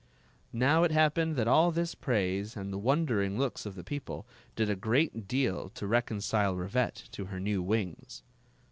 * Now it happened that all this praise, and the won dering looks of the people, did a great deal to recon 92 Queen Zixi of Ix cile Rivette to her new wings.